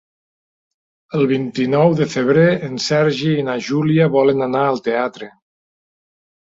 El vint-i-nou de febrer en Sergi i na Júlia volen anar al teatre.